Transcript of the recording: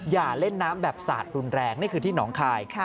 อย่าเล่นน้ำแบบสาดรุนแรงนี่คือที่หนองคาย